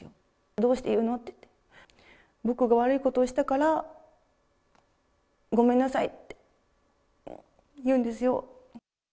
どうして言うのって言って、僕が悪いことをしたから、ごめんなさいって言うんですよ。